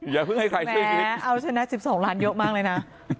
อย่าเพิ่งให้ใครช่วยคิดแม้เอาชนะ๑๒ล้านเยอะมากเลยนะ